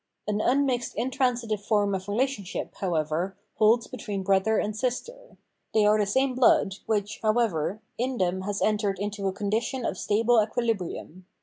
An unmixed intransitive form of relationship, how ever, holds between brother and sister. They are the same blood, which, however, in them has entered into a condition of stable equihbrium.